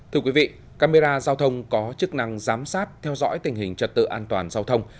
thưa quý vị camera giao thông có chức năng giám sát theo dõi tình hình trật tự an toàn giao thông